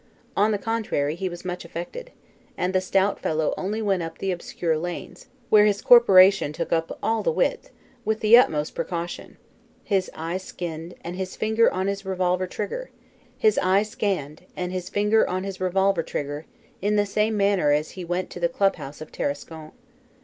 On the contrary, he was much affected, and the stout fellow only went up the obscure lanes, where his corporation took up all the width, with the utmost precaution, his eye skinned, and his finger on his revolver trigger, in the same manner as he went to the clubhouse at Tarascon.